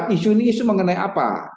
isu ini mengenai apa